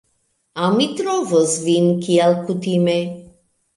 Aŭ mi trovos vin kiel kutime...